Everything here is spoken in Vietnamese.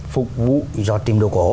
phục vụ dò tim đồ gỗ